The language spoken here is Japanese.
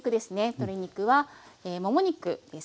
鶏肉はもも肉です。